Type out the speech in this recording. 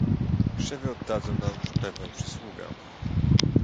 "Krzewy oddadzą nam pewną przysługę."